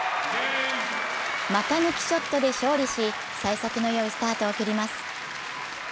また抜きショットで勝利し、さい先のいいスタートを切ります。